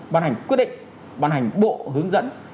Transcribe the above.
ban hành quyết định ban hành bộ hướng dẫn